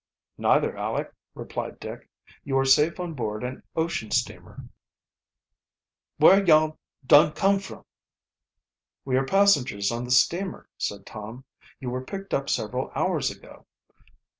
"Neither, Aleck," replied Dick. "You are safe on board an ocean steamer." "An' yo' whar yo' dun come from?" "We are passengers on the steamer," said Tom. "You were picked up several hours ago."